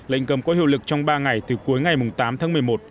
lệnh cấm có hiệu lực trong ba ngày từ cuối ngày tám tháng một mươi một